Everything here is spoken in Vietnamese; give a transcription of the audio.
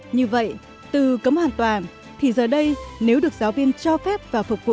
như vậy từ cấm hoàn toàn thì giờ đây nếu được giáo viên cho phép và phục vụ